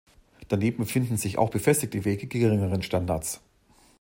Daneben finden sich auch befestigte Wege geringeren Standards.